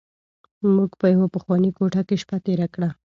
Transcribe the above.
موږ په یوه پخوانۍ کوټه کې شپه تېره کړه.